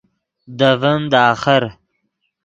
دے ڤین دے آخر